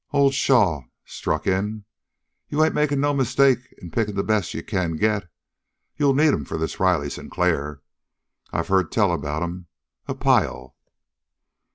Old Shaw struck in: "You ain't makin' no mistake in picking the best you can get. You'll need 'em for this Riley Sinclair. I've heard tell about him. A pile!"